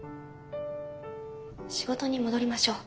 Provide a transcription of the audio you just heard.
仕事に戻りましょう。